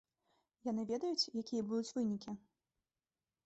Яны ведаюць, якія будуць вынікі?